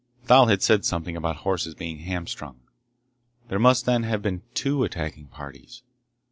Thal had said something about horses being hamstrung. There must, then, have been two attacking parties.